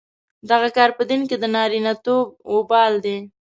دغه کار په دین کې د نارینتوب وبال دی.